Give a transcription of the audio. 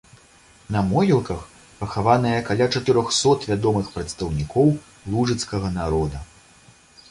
На могілках пахаваныя каля чатырохсот вядомых прадстаўнікоў лужыцкага народа.